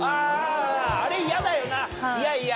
あれ嫌だよな嫌嫌。